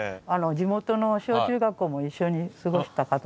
地元の小中学校も一緒に過ごした方です。